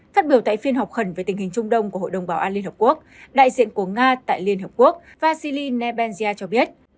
phát biểu tại phiên họp khẩn về tình hình trung đông của hội đồng bảo an liên hợp quốc đại diện của nga tại liên hợp quốc vasili nebensia cho biết